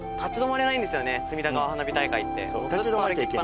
隅田川花火大会って。